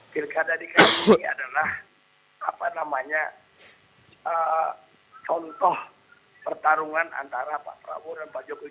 pilkada dki ini adalah contoh pertarungan antara pak prabowo dan pak jokowi